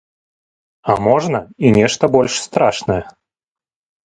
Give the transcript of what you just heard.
А можна і нешта больш страшнае.